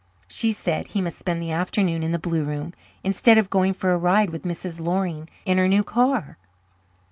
She said he must spend the afternoon in the blue room instead of going for a ride with Mrs. Loring in her new car.